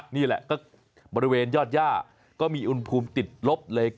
นี่แหละก็บริเวณยอดย่าก็มีอุณหภูมิติดลบเลย